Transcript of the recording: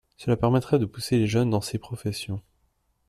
Cela permettrait de pousser les jeunes dans ces professions.